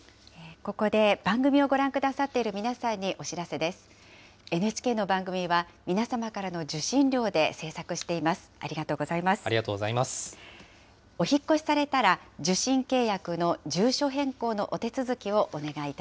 ここで番組をご覧くださっている皆さんにお知らせです。